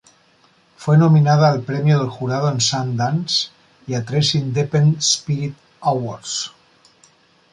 Fue nominada al premio del jurado en Sundance y a tres Independent Spirit Awards.